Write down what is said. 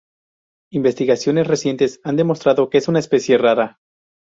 Investigaciones recientes han demostrado que es una especie rara.